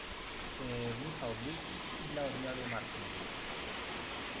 Yyy, Michał Wójcik i...dla odmiany Marcin Wójcik.